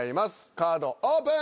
カードオープン。